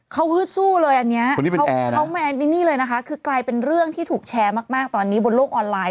เขาฮึดสู้เลยอันนี้เขานี่เลยนะคะคือกลายเป็นเรื่องที่ถูกแชร์มากตอนนี้บนโลกออนไลน